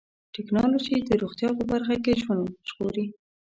ټکنالوجي د روغتیا په برخه کې ژوند ژغوري.